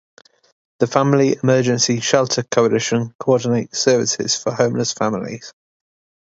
The Family Emergency Shelter Coalition coordinates services for homeless families.